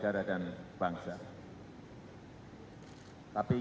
perubahan perubahan sekarang ini sudah masuk